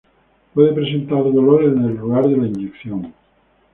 Puede presentar dolor en el lugar de la inyección.